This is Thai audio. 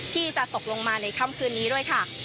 ที่จะตกลงมาในค่ำคืนนี้ด้วยค่ะ